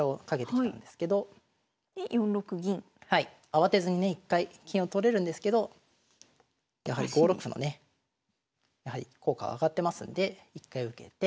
慌てずにね一回金を取れるんですけどやはり５六歩のね効果が上がってますので一回受けて。